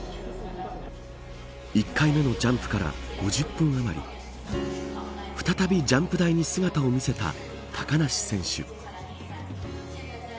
１回目のジャンプから５０分後再びジャンプ台に姿を見せた高梨選手。